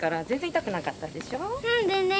全然痛くなかった。